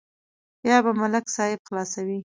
بیا به ملک صاحب خلاصوي.